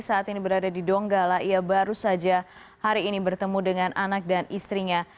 saat ini berada di donggala ia baru saja hari ini bertemu dengan anak dan istrinya